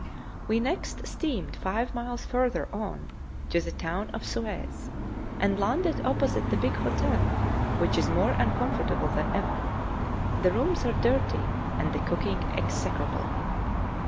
We next steamed five miles further on to the town of Suez, and landed opposite the big hotel, which is more uncomfortable than ever. The rooms are dirty, and the cooking execrable.